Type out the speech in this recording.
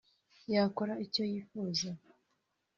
yakora icyo yifuza